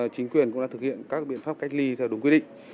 chính quyền cũng đã thực hiện các biện pháp cách ly theo đúng quy định